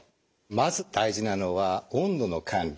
まず大事なのは温度の管理。